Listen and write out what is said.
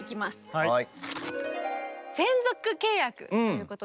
はい。